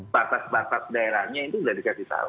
batas batas daerahnya itu sudah dikasih tahu